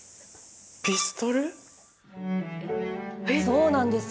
そうなんです。